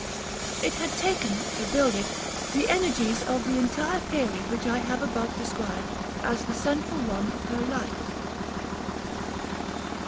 It had taken, to build it, the energies of the entire period which I have above described as the central one of her life.